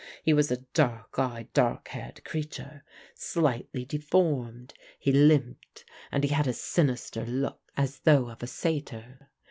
He was a dark eyed, dark haired creature, slightly deformed; he limped, and he had a sinister look as though of a satyr.